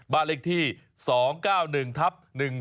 บ้านเลขที่๒๙๑ทับ๑๒